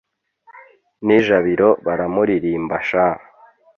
N' i Jabiro baramuririmba sha